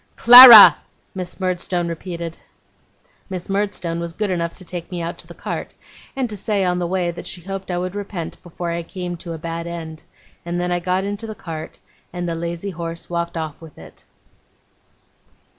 'Clara!' Miss Murdstone repeated. Miss Murdstone was good enough to take me out to the cart, and to say on the way that she hoped I would repent, before I came to a bad end; and then I got into the cart, and the lazy horse walked off with it.